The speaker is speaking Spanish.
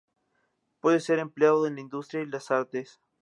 Puede ser empleado en la industria y las artes.